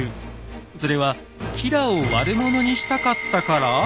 それは吉良を悪者にしたかったから？